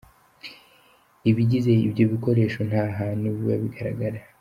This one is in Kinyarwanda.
Ibigize ibyo bikoresho nta hantu biba bigaragara.